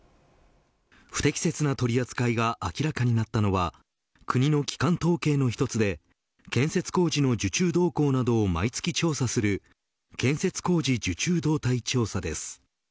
不適切な取り扱いが明らかになったのは国の基幹統計の一つで建設工事の受注動向などを毎月調査する建設工事受注動態調査です。